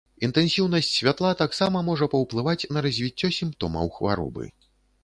Інтэнсіўнасць святла таксама можа паўплываць на развіццё сімптомаў хваробы.